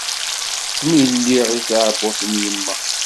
Mi lliɣ di tɛebbuḍt n yemma.